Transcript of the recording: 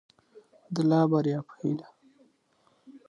ازادي راډیو د طبیعي پېښې په اړه د ښځو غږ ته ځای ورکړی.